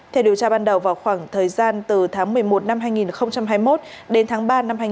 theo điều tra ban đầu vào khoảng thời gian từ tháng một mươi một hai nghìn hai mươi một đến tháng ba hai nghìn hai mươi hai